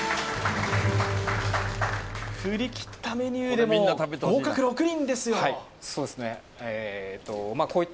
振りきったメニューでも合格６人ですよはい